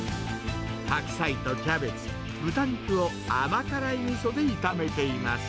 白菜とキャベツ、豚肉を甘辛いみそで炒めています。